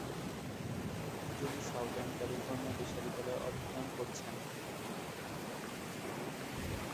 তিনি southern California বিশ্ববিদ্যালয়ে অধ্যয়ন করেছেন।